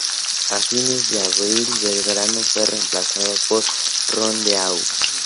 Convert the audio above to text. A fines de abril Belgrano fue reemplazado por Rondeau.